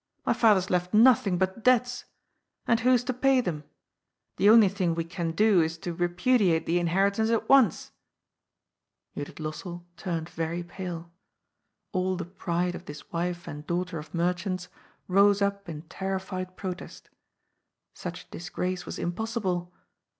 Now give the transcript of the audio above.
My father's left nothing but debts. And who's to pay them ? The only thing we can do is to repu diate the inheritance at once." Judith LoBsell turned very pale. All the pride of this wife and daughter of merchants rose up in terrified protest. Such disgrace was impossible.